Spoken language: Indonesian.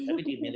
tapi di milenial